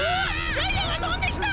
ジャイアンが飛んできた！